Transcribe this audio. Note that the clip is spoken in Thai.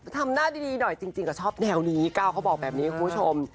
ทำหน้าดีได้จริงก็ชอบแนวนี้ก้าวบอกแบบนี้คุณคุณผู้ชม